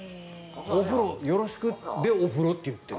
お風呂、よろしくでお風呂と言っている。